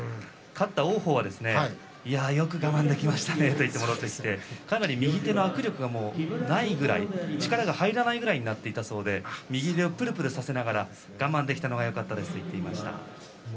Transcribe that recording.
王鵬はよく我慢できましたねと戻ってきてかなり右手の握力がないくらい力が入らないくらいになっていたそうで右手をぷるぷるとさせながら我慢できたのがよかったですと話しています。